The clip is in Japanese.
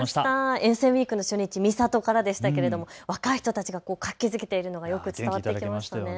沿線ウイークの初日、三郷からでしたけれども若い人たちが活気づいているのがよく伝わってきましたね。